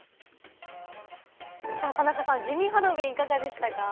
田中さん、地味ハロウィンいかがでしたか？